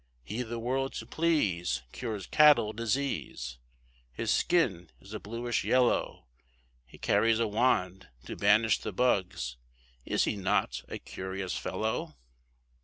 He the world to please, cures cattle disease, His skin is a blueish yellow, He carries a wand to banish the bugs, Is he not a curious fellow?